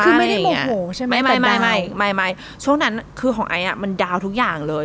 คือไม่ได้โมโหใช่ไหมไม่ไม่ช่วงนั้นคือของไอซ์อ่ะมันดาวนทุกอย่างเลย